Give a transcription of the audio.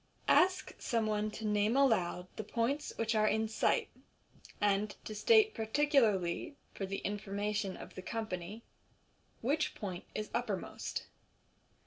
Ask someone to name aloud the points which are cl in sight, and to state par ticularly, for the informa tion of the company, which point is uppermost.